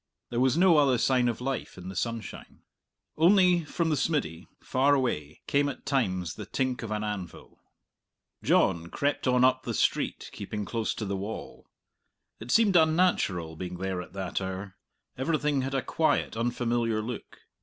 There was no other sign of life in the sunshine. Only from the smiddy, far away, came at times the tink of an anvil. John crept on up the street, keeping close to the wall. It seemed unnatural being there at that hour; everything had a quiet, unfamiliar look.